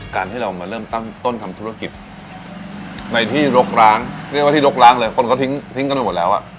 การที่เรามาเริ่มตั้งต้นทำธุรกิจในที่รกร้างเรียกว่าที่รกร้างเลยคนก็ทิ้งทิ้งกันไปหมดแล้วอ่ะ